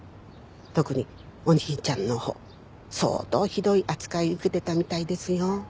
特にお兄ちゃんのほう相当ひどい扱い受けてたみたいですよ。